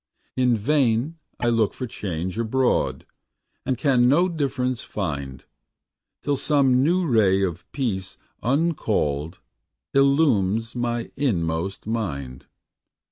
In vain I look for change abroad, And can no difference find, Till some new ray of peace uncalled Illumes my inmost mind.